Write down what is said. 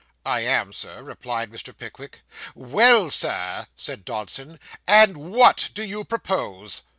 'I am, sir,' replied Mr. Pickwick. 'Well, sir,' said Dodson, 'and what do you propose?